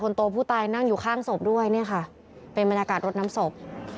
โตผู้ตายนั่งอยู่ข้างศพด้วยเนี่ยค่ะเป็นบรรยากาศรดน้ำศพ